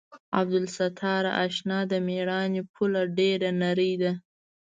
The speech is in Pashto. عبدالستاره اشنا د مېړانې پوله ډېره نرۍ ده.